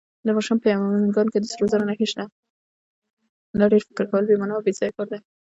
دا ډول فکر کول بې مانا او بېځایه کار دی